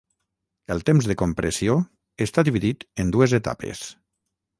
El temps de compressió està dividit en dues etapes.